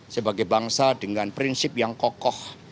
sebagai bangsa dengan prinsip yang kokoh